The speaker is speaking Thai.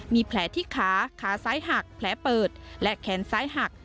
มีแผลที่ขาขาซ้ายหักแผลเปิดและแขนซ้ายหัก